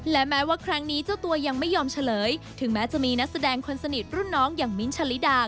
และแม้ว่าครั้งนี้เจ้าตัวยังไม่ยอมเฉลยถึงแม้จะมีนักแสดงคนสนิทรุ่นน้องอย่างมิ้นท์ชะลิดา